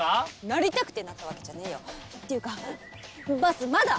なりたくてなったわけじゃねぇよっていうかバスまだ⁉